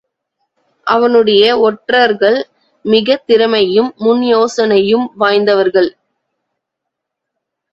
அவனுடைய ஒற்றர்கள் மிகத் திறமையும் முன்யோசனையும் வாய்ந்தவர்கள்.